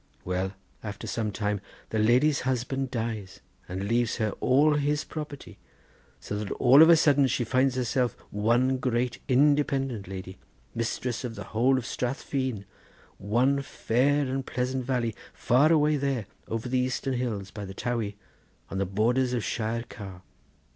Well, after some time the lady's husband dies and leaves her all his property, so that all of a sudden she finds herself one great independent lady, mistress of the whole of Strath Feen, one fair and pleasant valley far away there over the Eastern hills; by the Towey; on the borders of Shire Car.